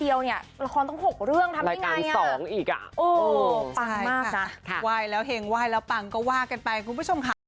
อยากมาทำงานให้ด้วยครับผม